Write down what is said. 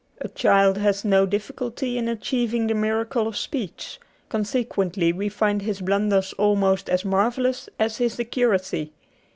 A child has no difficulty in achieving the miracle of speech, consequently we find his blunders almost as marvel lous as his accuracy.